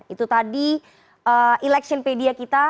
itu tadi electionpedia kita